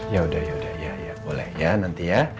ya udah ya udah ya boleh ya nanti ya